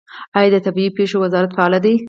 آیا د طبیعي پیښو وزارت فعال دی؟